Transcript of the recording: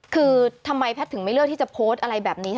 คือทำไมแพทย์ถึงไม่เลือกที่จะโพสต์อะไรแบบนี้